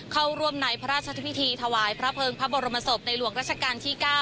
เข้าร่วมในพระราชพิธีถวายพระเภิงพระบรมศพในหลวงราชการที่๙